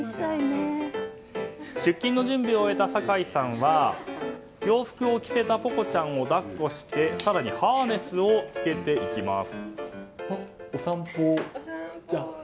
出勤の準備を終えた酒井さんは洋服を着せたぽこちゃんを抱っこしてハーネスを着けていきます。